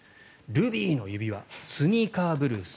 「ルビーの指環」「スニーカーぶるす」